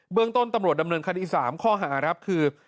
เรื่องต้นตำรวจดำเนินคดี๓ข้อหาครับคือ